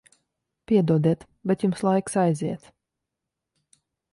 Piedodiet, bet jums laiks aiziet.